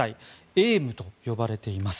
エームと呼ばれています。